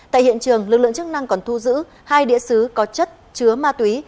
tại hiện trường lực lượng chức năng còn thu giữ hai địa sứ có chất chứa ma túy